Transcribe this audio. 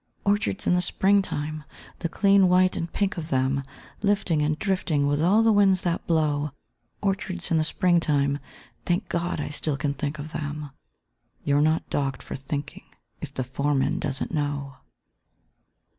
_ Orchards in the Spring time! The clean white and pink of them Lifting and drifting with all the winds that blow. Orchards in the Spring time! Thank God I still can think of them! _You're not docked for thinking, if the foreman doesn't know.